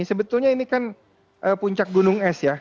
sebetulnya ini kan puncak gunung es ya